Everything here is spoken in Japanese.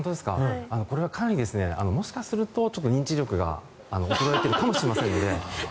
これはかなりもしかすると認知力が衰えてるかもしれません。